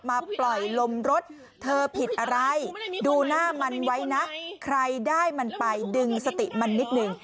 มาปล่อยลมรถเธอผิดอะไรดูหน้ามันไว้นะใครได้มันไปดึงสติมันนิดนึง